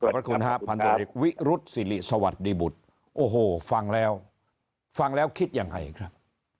พระคุณฮะพันธุ์ตัวเอกวิรุษฎิสวัสดีบุษโอ้โหฟังแล้วฟังแล้วคิดยังไงครับ